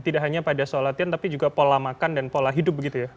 tidak hanya pada soal latihan tapi juga pola makan dan pola hidup begitu ya